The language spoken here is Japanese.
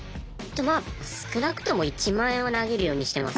まあ少なくとも１万円は投げるようにしてます。